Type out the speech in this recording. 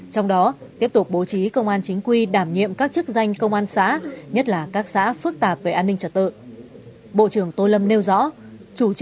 trong đó tiếp tục bố trí công an chính quy đảm nhiệm các chức danh công an xã nhất là các xã phức tạp về an ninh trật tự